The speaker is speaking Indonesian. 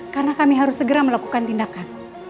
karena kami harus segera melakukan tindakan